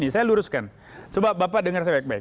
saya luruskan coba bapak dengar saya baik baik